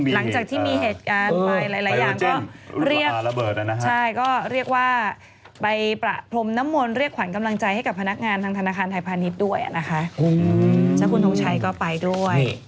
หลังจากที่มีเหตุการณ์ไปหลายอย่างก็คือเรียกว่าไปประพร้มน้ำมนต์เรียกขวัญกำลังใจให้กับพนักการธนาคามไทยพาณิชย์ด้วยจ้าคุณทรงชัยก็ไปด้วย